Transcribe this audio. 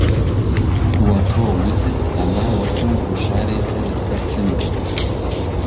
وە تۆ وتت ئەمە وەکوو گوشارێکه لەسەر سنگت